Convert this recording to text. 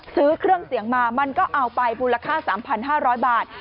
ซื้อเครื่องเสียงมามันก็เอาไปมูลค่า๓๕๐๐บาท